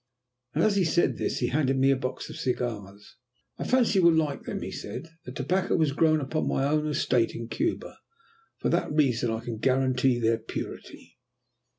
As he said this he handed me a box of cigars. "I fancy you will like them," he said. "The tobacco was grown upon my own estate in Cuba; for that reason I can guarantee their purity."